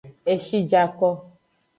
Eshi ja ko.